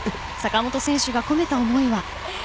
坂本選手が込めた思いは。